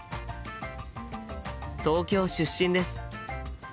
東京出身です。